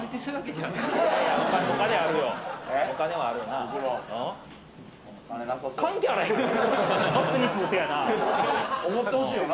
おごってほしいよな？